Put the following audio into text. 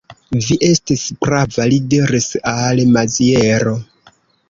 Vi estis prava, li diris al Maziero.